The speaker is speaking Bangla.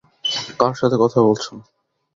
কার সাথে কথা বলছ?